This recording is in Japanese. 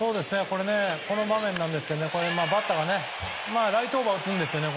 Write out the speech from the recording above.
この場面なんですがバッターがライトオーバーを打つんですよね。